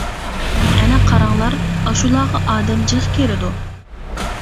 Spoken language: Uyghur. ئەنە قاراڭلار، ئاشۇلارغا ئادەم جىق كىرىدۇ.